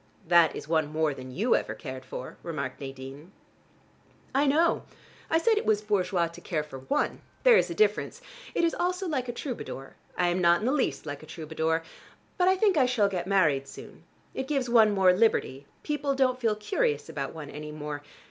"That is one more than you ever cared for," remarked Nadine. "I know. I said it was bourgeois to care for one. There is a difference. It is also like a troubadour. I am not in the least like a troubadour. But I think I shall get married soon. It gives one more liberty: people don't feel curious about one any more.